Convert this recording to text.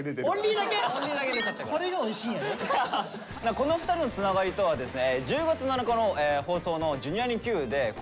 この２人のつながりとはですね